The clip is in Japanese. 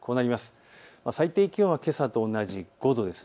最低気温はけさと同じ５度です。